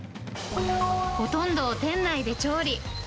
ほとんどを店内で調理。